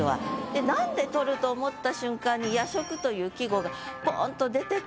でなんで「摂る」と思った瞬間に「夜食」という季語がポンと出てくると。